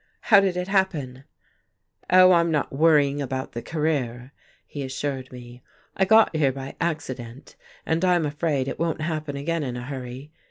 How did it happen?" "Oh, I'm not worrying about the career," he assured me. "I got here by accident, and I'm afraid it won't happen again in a hurry.